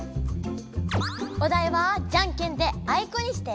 おだいは「ジャンケンであいこ！」にして。